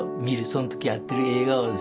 その時にやってる映画をですね